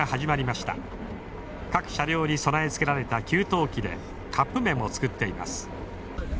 各車両に備え付けられた給湯器でカップめんを作っています。